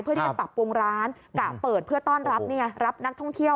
เพื่อที่จะปรับปรุงร้านกะเปิดเพื่อต้อนรับรับนักท่องเที่ยว